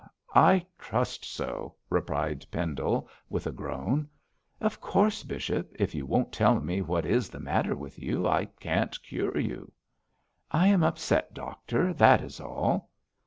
'I trust so!' replied Pendle, with a groan. 'Of course, bishop, if you won't tell me what is the matter with you, I can't cure you.' 'I am upset, doctor, that is all.'